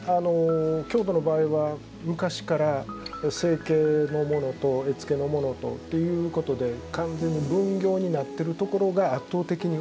京都の場合は昔から成形の者と絵付けの者とということで完全に分業になってるところが圧倒的に多いです。